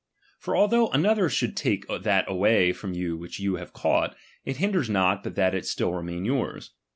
For although another should take that away from you which you have caught, it hinders not but that it still remains yours.